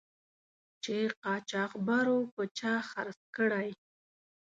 چې قاچاقبرو په چا خرڅ کړی.